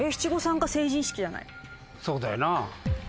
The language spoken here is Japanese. そうだよな。